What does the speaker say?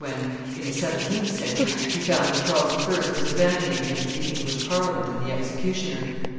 ], when, in the seventeenth century, he found that Charles I. was abandoning him to the English Parliament and the executioner.